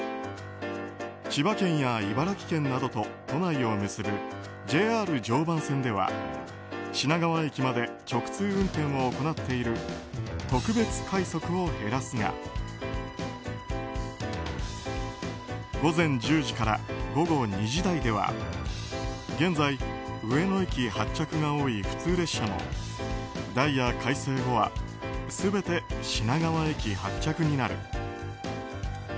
千葉県や茨城県などと都内を結ぶＪＲ常磐線では品川駅まで直通運転を行っている特別快速を減らすが午前１０時から午後２時台では現在、上野駅発着が多い普通列車もダイヤ改正後は全て品川駅発着になる。